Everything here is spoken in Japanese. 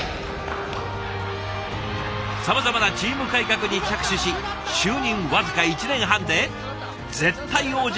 さまざまなチーム改革に着手し就任僅か１年半で絶対王者